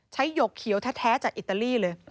หยกเขียวแท้จากอิตาลีเลย